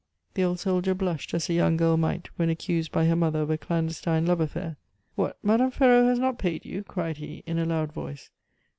The old soldier blushed as a young girl might when accused by her mother of a clandestine love affair. "What! Madame Ferraud has not paid you?" cried he in a loud voice.